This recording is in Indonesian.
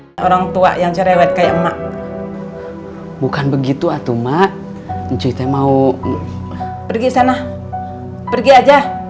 hai orang tua yang cerewet kayak emak bukan begitu atuh mak cerita mau pergi sana pergi aja